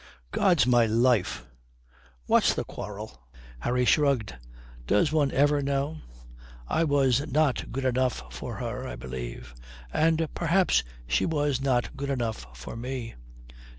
"God's my life! What's the quarrel?" Harry shrugged. "Does one ever know? I was not good enough for her, I believe. And perhaps she was not good enough for me."